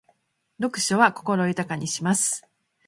読書は心を豊かにします。